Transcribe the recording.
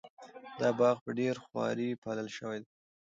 دا باغ په ډېره خواري پالل شوی دی.